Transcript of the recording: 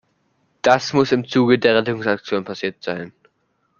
Das muss im Zuge der Rettungsaktion passiert sein.